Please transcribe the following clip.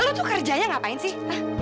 lo tuh kerjanya ngapain sih